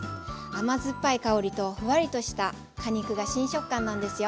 甘酸っぱい香りとふわりとした果肉が新食感なんですよ。